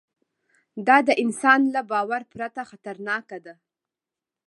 دا د انسان له باور پرته خطرناکه ده.